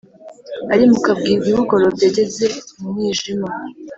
Ari mu kabwibwi bugorobye Ageza mu mwijima